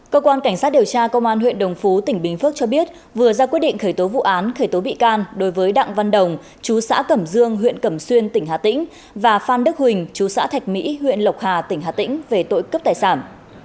cơ quan cảnh sát điều tra công an huyện đồng phú tỉnh bình phước cho biết vừa ra quyết định khởi tố vụ án khởi tố bị can đối với đặng văn đồng chú xã cẩm dương huyện cẩm xuyên tỉnh hà tĩnh và phan đức huỳnh chú xã thạch mỹ huyện lộc hà tỉnh hà tĩnh về tội cướp tài sản